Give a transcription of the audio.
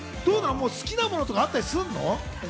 好きなものとか、あったりするの？